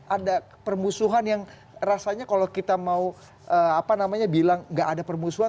ada permusuhan yang rasanya kalau kita mau bilang gak ada permusuhan